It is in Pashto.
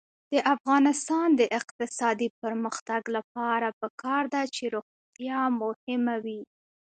د افغانستان د اقتصادي پرمختګ لپاره پکار ده چې روغتیا مهمه وي.